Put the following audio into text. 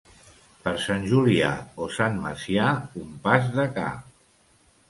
Per Sant Julià o Sant Macià, un pas de ca.